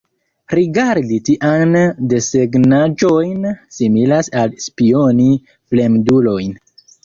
Rigardi tiajn desegnaĵojn similas al spioni fremdulojn.